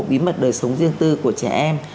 bí mật đời sống riêng tư của trẻ em